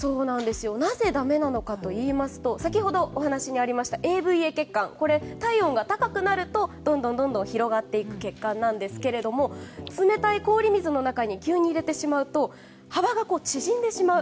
なぜダメかといいますと先ほどお話があったＡＶＡ血管、体温が高くなるとどんどん広がっていく血管なんですが冷たい氷水の中に急に入れてしまうと幅が縮んでしまう。